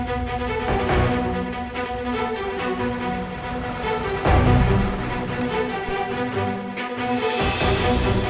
tim medis tim medis